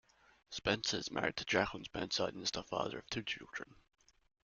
Spencer is married to Jacklyn Spencer and is the father of two children.